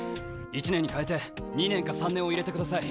１年に代えて２年か３年を入れてください。